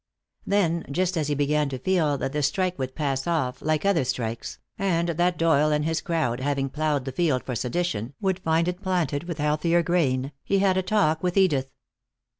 Then, just as he began to feel that the strike would pass off like other strikes, and that Doyle and his crowd, having plowed the field for sedition, would find it planted with healthier grain, he had a talk with Edith.